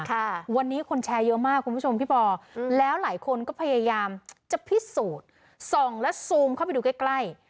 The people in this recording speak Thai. ค่ะวันนี้คนแชร์เยอะมากคุณผู้ชมพี่ปออืมแล้วหลายคนก็พยายามจะพิสูจน์ส่องแล้วซูมเข้าไปดูใกล้ใกล้